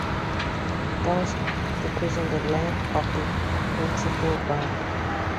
Thus, decreasing the length of the quintuple bond.